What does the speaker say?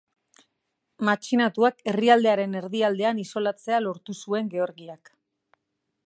Matxinatuak herrialdearen erdialdean isolatzea lortu zuen Georgiak.